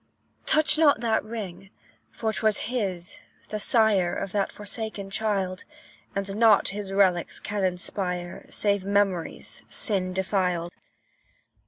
Touch not that ring; 'twas his, the sire Of that forsaken child; And nought his relics can inspire Save memories, sin defiled.